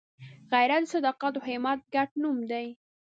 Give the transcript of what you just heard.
غیرت د صداقت او همت ګډ نوم دی